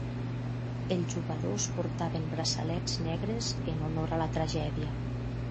Els jugadors portaven braçalets negres en honor a la tragèdia.